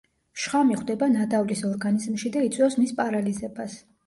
შხამი ხვდება ნადავლის ორგანიზმში და იწვევს მის პარალიზებას.